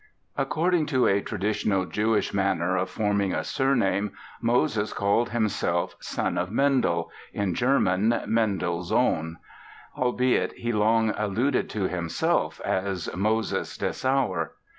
According to a traditional Jewish manner of forming a surname Moses called himself "Son of Mendel"—in German, "Mendels Sohn"—albeit he long alluded to himself as "Moses Dessauer".